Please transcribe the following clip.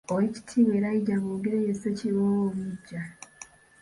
Oweekitiibwa Elijah Boogere ye Ssekiboobo omuggya .